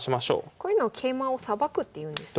こういうのを桂馬をさばくっていうんですね。